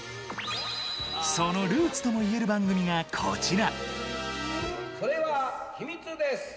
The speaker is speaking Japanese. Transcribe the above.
そのルーツともいえる番組がこちら。